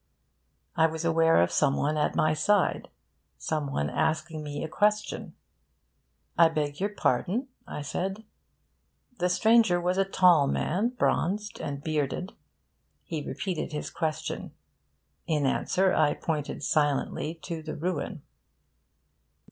I was aware of some one at my side, some one asking me a question. 'I beg your pardon?' I said. The stranger was a tall man, bronzed and bearded. He repeated his question. In answer, I pointed silently to the ruin.